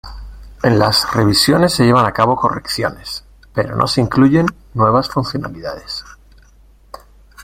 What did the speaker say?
En las revisiones se llevan a cabo correcciones, pero no se incluyen nuevas funcionalidades.